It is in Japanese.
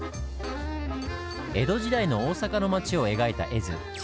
江戸時代の大阪の町を描いた絵図。